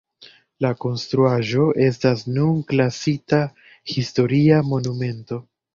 La konstruaĵo estas nun klasita Historia Monumento.